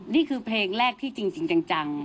นี่คือเพลงแรกที่จริงจัง